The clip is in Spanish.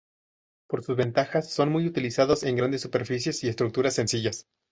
Por sus ventajas son muy utilizados en grandes superficies y estructuras sencillas.